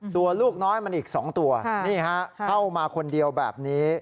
ตัวลูกน้อยมันอีก๒ตัวนี่ฮะเข้ามาคนเดียวแบบนี้